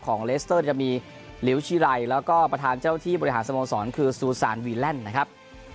เลสเตอร์จะมีลิวชิไรแล้วก็ประธานเจ้าที่บริหารสโมสรคือซูซานวีแลนด์นะครับ